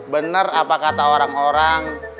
benar apa kata orang orang